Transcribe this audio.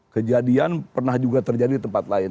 kejadian pernah juga terjadi di tempat lain